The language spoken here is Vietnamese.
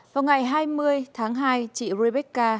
vào ngày hai mươi tháng hai chị rebecca